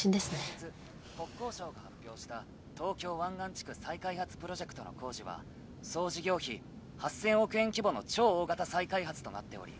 先日国交省が発表した東京湾岸地区再開発プロジェクトの工事は総事業費８，０００億円規模の超大型再開発となっており。